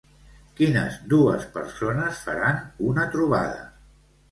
Quines dues persones faran una trobada?